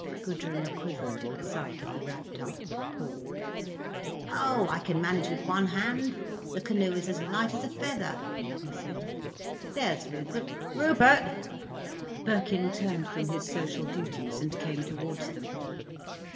Gudrun quivered at the sight of the wrapped up paw. "Oh I can manage with one hand. The canoe is as light as a feather," he said. "There's Rupert!—Rupert!" Birkin turned from his social duties and came towards them.